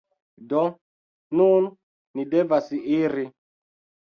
Do, nun ni devas iri